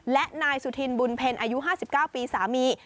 และนายสุธินบุญเพ็ญอายุ๕๙ปีสามี